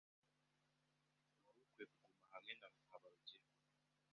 Wari ukwiye kuguma hamwe na Habarugira.